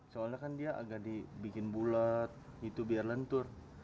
soalnya kan dia agak dibikin bulet gitu biar lentur